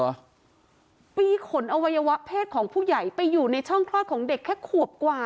ปีขนอวัยวะเพศของผู้ใหญ่ไปอยู่ในช่องคลอดของเด็กแค่ขวบกว่า